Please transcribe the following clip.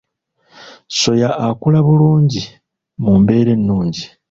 Soya akula bulungi mu mbeera ennungi.